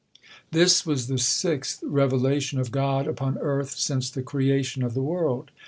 This was the sixth revelation of God upon earth since the creation of the world.